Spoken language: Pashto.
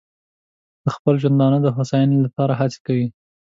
د خپل ژوندانه د هوساینې لپاره هڅې کوي.